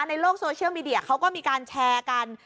ในโลกโซเชียลมีเดียเขาก็มีการแชร์กัน